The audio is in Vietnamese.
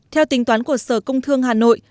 theo tính toán của sở công thương hà nội